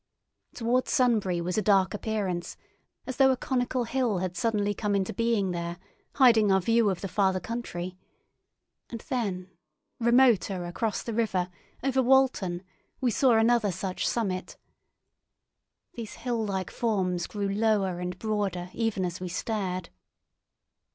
Towards Sunbury was a dark appearance, as though a conical hill had suddenly come into being there, hiding our view of the farther country; and then, remoter across the river, over Walton, we saw another such summit. These hill like forms grew lower and broader even as we stared.